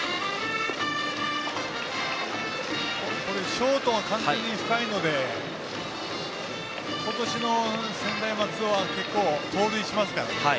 ショートが深いので今年の専大松戸は結構、盗塁しますから。